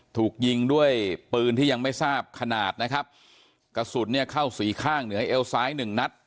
ถูกยิงด้วยปืนที่ยังไม่ทราบขนาดนะครับกระสุนเนี่ยเข้าสี่ข้างเหนือเอวซ้ายหนึ่งนัด